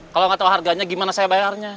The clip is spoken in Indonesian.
kalau nggak tahu harganya gimana saya bayarnya